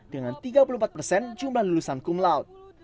dengan tiga puluh empat persen jumlah lulusan kumlaut